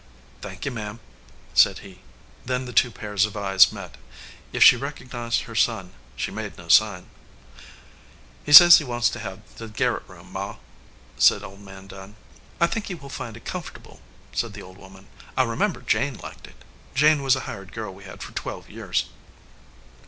"Thank you, ma am," he said. Then the two pairs of eyes met. If she recognized her son, she made no sign. "He says he wants to have the garret room, Ma," said Old Man Dunn. "I think he will find it comfortable," said the old woman. "I remember Jane liked it. Jane was a hired girl we had for twelve years."